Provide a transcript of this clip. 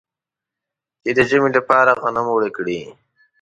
چې د ژمي لپاره غنم اوړه کړي.